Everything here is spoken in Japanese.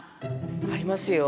ありますよ。